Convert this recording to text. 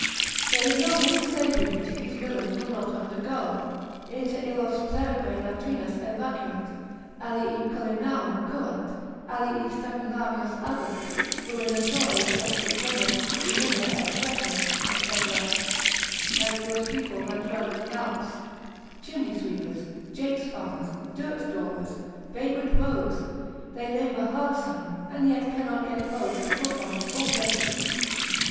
There is not any slavery which these villains will not undergo, inter illos plerique latrinas evacuant, alii culinariam curant, alii stabularios agunt, urinatores et id genus similia exercent, &c. like those people that dwell in the Alps, chimney sweepers, jakes farmers, dirt daubers, vagrant rogues, they labour hard some, and yet cannot get clothes to put on, or bread to eat.